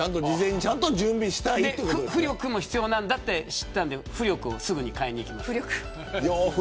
浮力も必要なんだって知ったんで浮力をすぐに買いに行きました。